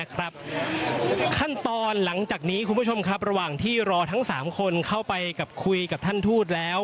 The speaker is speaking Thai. ขั้นตอนหลังจากนี้คุณผู้ชมครับระหว่างที่รอทั้ง๓คนเข้าไปกับคุยกับท่านทูตแล้ว